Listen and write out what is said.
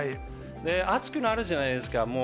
暑くなるじゃないですか。